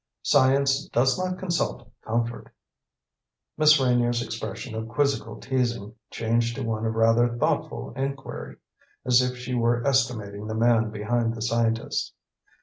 Science does not consult comfort." Miss Reynier's expression of quizzical teasing changed to one of rather thoughtful inquiry, as if she were estimating the man behind the scientist.